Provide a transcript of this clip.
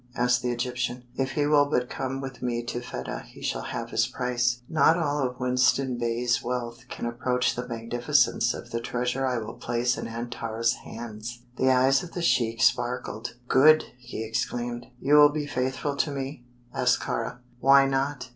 asked the Egyptian. "If he will but come with me to Fedah he shall have his price. Not all of Winston Bey's wealth can approach the magnificence of the treasure I will place in Antar's hands." The eyes of the sheik sparkled. "Good!" he exclaimed. "You will be faithful to me?" asked Kāra. "Why not?"